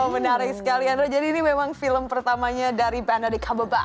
menarik sekali jadi ini memang film pertamanya dari benedict cumberbatch